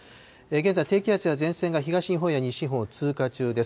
現在、低気圧や前線が東日本や西日本を通過中です。